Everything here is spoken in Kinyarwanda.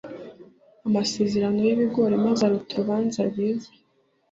amasezerano y'ibigori mabi aruta urubanza rwiza.